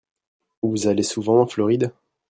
Vous allez souvent en Floride ?